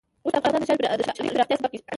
اوښ د افغانستان د ښاري پراختیا سبب کېږي.